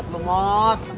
oh siap lu mot